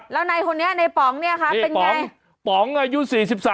แล้วในคนนี้ในป๋องเนี่ยคะเป็นไงป๋องอายุ๔๓